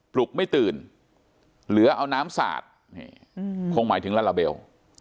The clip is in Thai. ลุกไม่ตื่นเหลือเอาน้ำสาดคงหมายถึงลาลาเบล